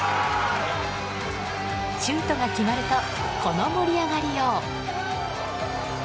シュートが決まるとこの盛り上がりよう。